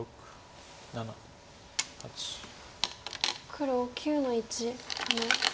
黒９の一ハネ。